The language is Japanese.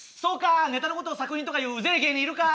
ネタのことを作品とかいううぜえ芸人いるか。